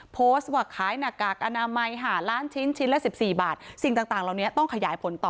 โพสต์ว่าขายหน้ากากอนามัย๕ล้านชิ้นชิ้นละ๑๔บาทสิ่งต่างเหล่านี้ต้องขยายผลต่อ